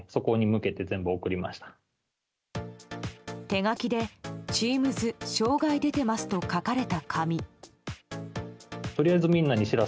手書きでＴｅａｍｓ障害出てますと書かれた紙。